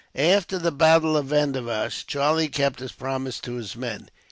After the battle of Vandivash, Charlie kept his promise to his men.